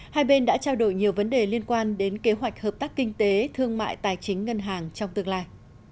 hai bên đã trao đổi nhiều vấn đề liên quan đến kế hoạch hợp tác kinh tế thương mại tài chính ngân hàng trong tương lai